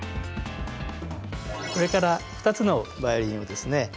これから２つのバイオリンをですね